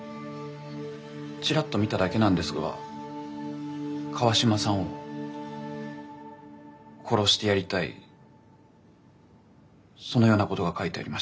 ちらっと見ただけなんですが川島さんを殺してやりたいそのようなことが書いてありました。